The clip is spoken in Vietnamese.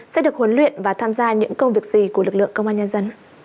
sẽ được huấn luyện và tham gia những công việc gì của lực lượng công an nhân dân